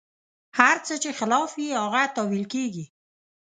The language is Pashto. هر څه چې خلاف وي، هغه تاویل کېږي.